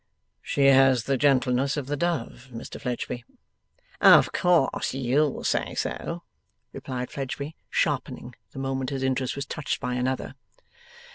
'She has the gentleness of the dove, Mr Fledgeby.' 'Of course you'll say so,' replied Fledgeby, sharpening, the moment his interest was touched by another.